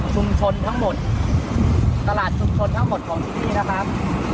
ชุมชนทั้งหมดตลาดชุมชนทั้งหมดของที่นี่นะครับ